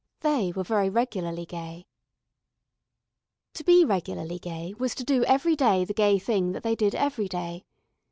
They were very regularly gay. To be regularly gay was to do every day the gay thing that they did every day.